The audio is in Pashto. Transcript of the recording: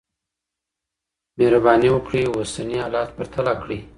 مهرباني وکړئ اوسني حالات پرتله کړئ.